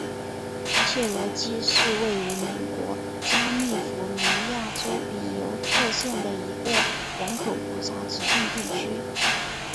切罗基是位于美国加利福尼亚州比尤特县的一个人口普查指定地区。